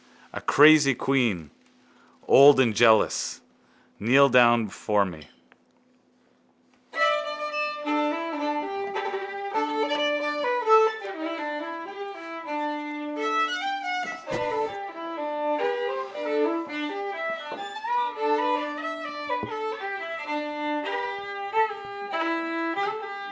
A crazy queen, old and jealous. Kneel down before me.